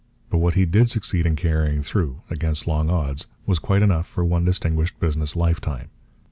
But what he did succeed in carrying through, against long odds, was quite enough for one distinguished business lifetime.